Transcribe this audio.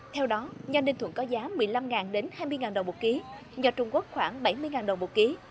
theo đó nho ninh thuận có giá một mươi năm đến hai mươi đồng một kg nho trung quốc khoảng bảy mươi đồng một kg